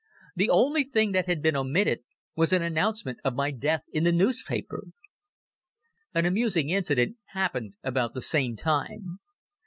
The only thing that had been omitted was an announcement of my death in the newspaper. An amusing incident happened about the same time.